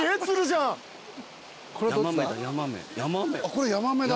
これヤマメだ。